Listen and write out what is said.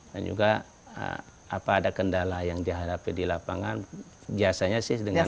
dan juga apa ada kendala yang dihadapi di lapangan biasanya sih dengan